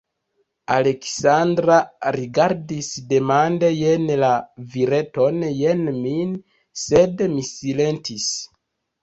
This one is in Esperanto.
Aleksandra rigardis demande jen la vireton, jen min, sed mi silentis.